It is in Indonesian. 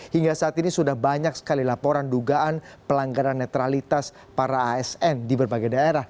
hingga saat ini sudah banyak sekali laporan dugaan pelanggaran netralitas para asn di berbagai daerah